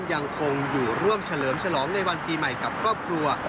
ยังคงอยู่ร่วมเฉลิมฉลองในวันปีใหม่กับครอบครัว